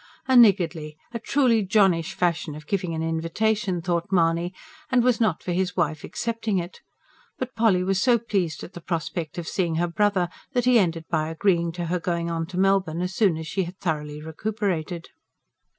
A niggardly a truly "John ish" fashion of giving an invitation, thought Mahony, and was not for his wife accepting it. But Polly was so pleased at the prospect of seeing her brother that he ended by agreeing to her going on to Melbourne as soon as she had thoroughly recuperated.